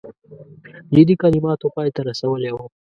جدي کلماتو پای ته رسولی وو.